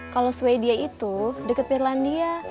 kalau swedia itu deket finlandia